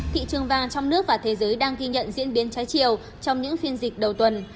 thị trường vàng trong nước và thế giới đang ghi nhận diễn biến trái chiều trong những phiên dịch đầu tuần